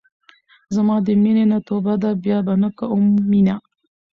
زما د مينې نه توبه ده بيا به نۀ کوم مينه